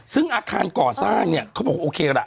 ซึ่งอาคารก่อสร้างเนี่ยเขาบอกโอเคล่ะ